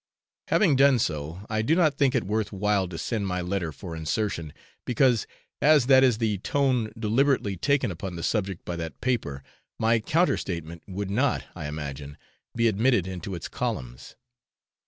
Having done so, I do not think it worth while to send my letter for insertion, because, as that is the tone deliberately taken upon the subject by that paper, my counter statement would not, I imagine, be admitted into its columns.